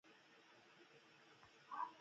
د مینه رڼا هم د دوی په زړونو کې ځلېده.